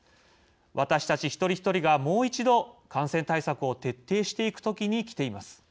私たち１人１人がもう一度感染対策を徹底していく時にきています。